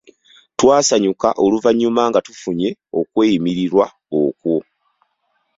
Twasanyuka oluvannyuma nga tufunye okweyimirirwa okwo.